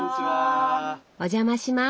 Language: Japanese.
お邪魔します。